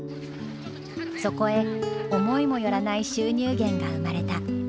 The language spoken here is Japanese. そこへ思いも寄らない収入源が生まれた。